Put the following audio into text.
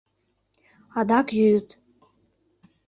Адак йӱыт.